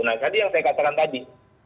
nah tadi yang saya katakan tadi